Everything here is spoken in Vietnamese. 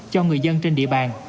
cho người dân trên địa bàn